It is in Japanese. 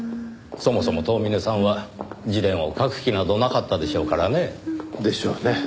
そもそも遠峰さんは自伝を書く気などなかったでしょうからねぇ。でしょうね。